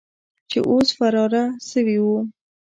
چې اوس فراره سوي وو.